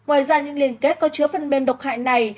ngoài ra những liên kết có chứa phần mềm độc hại này